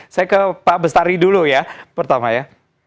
saya ke pak bestari dulu ya pertama ya